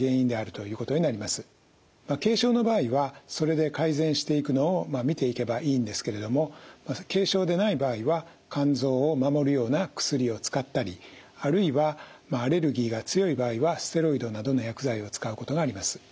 軽症の場合はそれで改善していくのを見ていけばいいんですけれども軽症でない場合は肝臓を守るような薬を使ったりあるいはアレルギーが強い場合はステロイドなどの薬剤を使うことがあります。